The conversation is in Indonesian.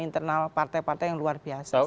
internal partai partai yang luar biasa